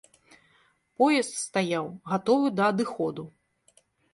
Поезд стаяў, гатовы да адыходу.